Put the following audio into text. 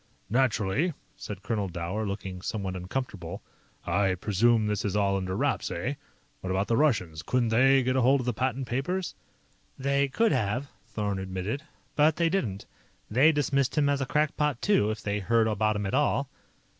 "Naturally," said Colonel Dower, looking somewhat uncomfortable. "I presume this is all under wraps, eh? What about the Russians? Couldn't they get hold of the patent papers?" "They could have," Thorn admitted, "but they didn't. They dismissed him as a crackpot, too, if they heard about him at all.